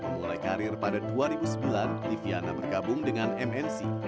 mulai karir pada dua ribu sembilan liviana bergabung dengan mnc